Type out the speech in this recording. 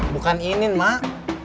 bukan inin mak